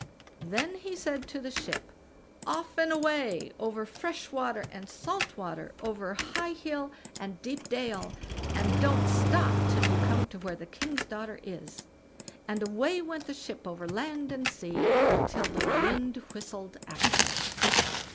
Then he said to the ship: "Off and away, over fresh water and salt water, over high hill and deep dale, and don't stop till you come to where the king's daughter is." And away went the ship over land and sea, till the wind whistled after it.